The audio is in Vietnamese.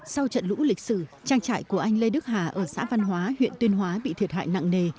sau trận lũ lịch sử trang trại của anh lê đức hà ở xã văn hóa huyện tuyên hóa bị thiệt hại nặng nề